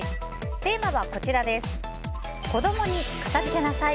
テーマは子どもに片付けなさい！